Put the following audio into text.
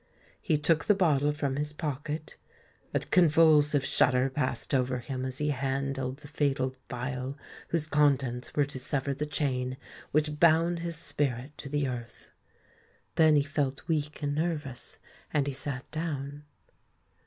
He took the bottle from his pocket: a convulsive shudder passed over him as he handled the fatal phial whose contents were to sever the chain which bound his spirit to the earth. Then he felt weak and nervous; and he sate down.